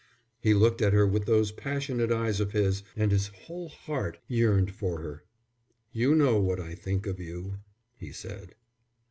He looked at her with those passionate eyes of his, and his whole heart yearned for her. "You know what I think of you," he said.